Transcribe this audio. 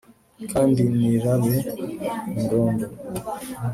kandi nirabe ingondo